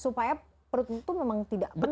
supaya perutmu itu memang tidak penuh